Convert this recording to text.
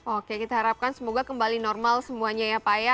oke kita harapkan semoga kembali normal semuanya ya pak ya